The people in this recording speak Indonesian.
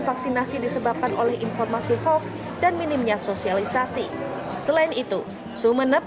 vaksinasi disebabkan oleh informasi hoax dan minimnya sosialisasi selain itu sumeneb